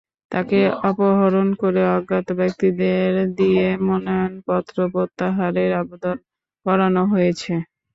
তাঁকে অপহরণ করে অজ্ঞাত ব্যক্তিদের দিয়ে মনোনয়নপত্র প্রত্যাহারের আবেদন করানো হয়েছে।